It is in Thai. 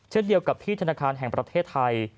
เช่นเดียวกับที่ธนาคารแห่งประเทศไทย